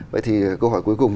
vậy thì câu hỏi cuối cùng